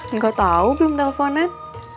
enggak tahu belum teleponan